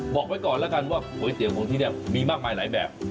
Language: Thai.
บอกไว้ก่อนแล้วกันว่าก๋วยเตี๋ยวของที่นี่มีมากมายหลายแบบ